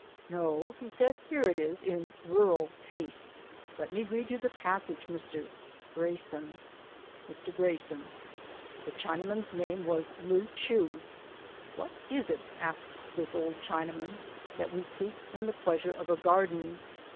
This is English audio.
"No," he said, "here it is in 'Rural Taste.' Let me read you the passage, Mr. " "Grayson." " Mr. Grayson. The Chinaman's name was Lieu tscheu. 'What is it,' asks this old Chinaman, 'that we seek in the pleasure of a garden?